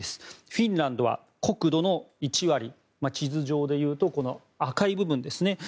フィンランドは国土の１割地図上でいうと赤い部分ですね。